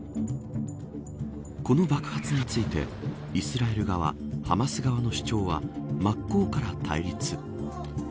この爆発についてイスラエル側ハマス側の主張は真っ向から対立。